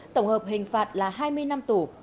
tổng hợp hình phạt là hai mươi năm tù